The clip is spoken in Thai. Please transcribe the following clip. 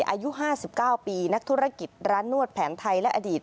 อายุห้าสิบเก้าปีนักธุรกิจร้านนวดแผนไทยและอดีต